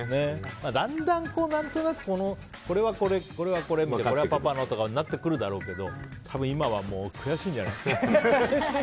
だんだん何となくこれはこれこれはパパのとかになってくるだろうけど今は悔しいんじゃないですか。